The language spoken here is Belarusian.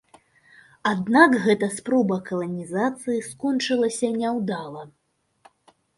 Аднак гэта спроба каланізацыі скончылася няўдала.